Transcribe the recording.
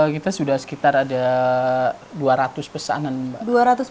kita sudah sekitar ada dua ratus pesanan mbak